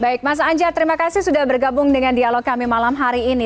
baik mas anjar terima kasih sudah bergabung dengan dialog kami malam hari ini